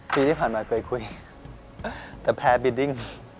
ปีที่ผ่านมาเคยคุยแต่แพ้บิดดิ้ง